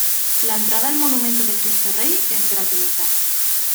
La entrada al monumento de Cristo Rey es gratuita.